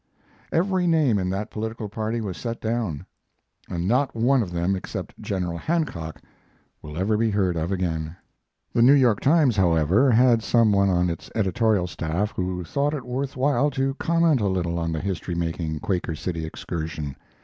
Every name in that political party was set dawn, and not one of them except General Hancock will ever be heard of again. The New York Times, however, had some one on its editorial staff who thought it worth while to comment a little on the history making Quaker City excursion.